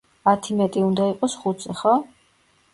ათი მეტი უნდა იყოს ხუთზე. ხო?